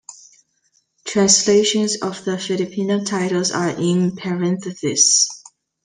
Translations of the Filipino titles are in parentheses.